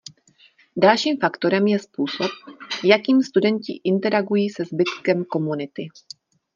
Dalším faktorem je způsob, jakým studenti interagují se zbytkem komunity.